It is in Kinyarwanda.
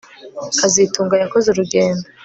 kazitunga yakoze urugendo